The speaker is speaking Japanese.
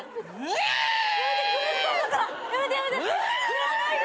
振らないで！